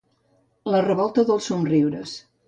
La revolta dels somriures.